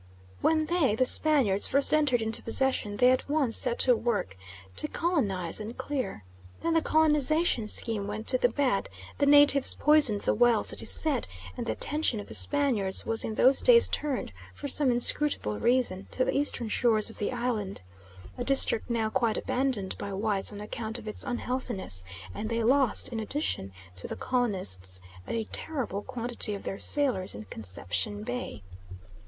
When they, the Spaniards, first entered into possession they at once set to work to colonise and clear. Then the colonisation scheme went to the bad, the natives poisoned the wells, it is said, and the attention of the Spaniards was in those days turned, for some inscrutable reason, to the eastern shores of the island a district now quite abandoned by whites, on account of its unhealthiness and they lost in addition to the colonists a terrible quantity of their sailors, in Concepcion Bay.